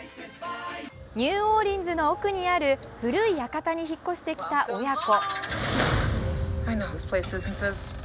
ニューオーリンズの奥にある古い館に引っ越してきた親子。